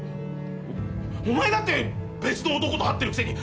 おっお前だって別の男と会ってるくせに。